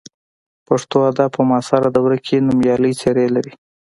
پښتو ادب په معاصره دوره کې نومیالۍ څېرې لري.